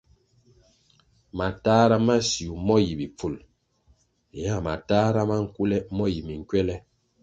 Matahra ma siu mo yi bipful hea matahra ma nkule mo yi minkwele.